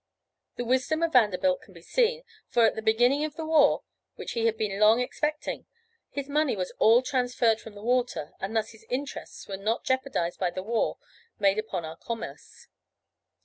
The wisdom of Vanderbilt can be seen, for at the beginning of the war, which he had been long expecting, his money was all transferred from the water, and thus his interests were not jeopardised by the war made upon our commerce.